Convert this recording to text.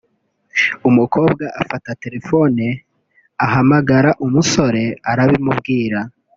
” Umukobwa afata telefoni ahamagara umusore arabimubwira